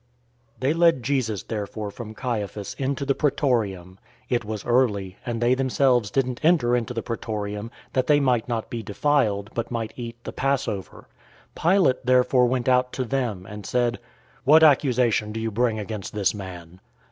018:028 They led Jesus therefore from Caiaphas into the Praetorium. It was early, and they themselves didn't enter into the Praetorium, that they might not be defiled, but might eat the Passover. 018:029 Pilate therefore went out to them, and said, "What accusation do you bring against this man?"